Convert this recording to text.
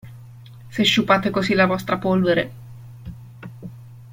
Se sciupate così la vostra polvere.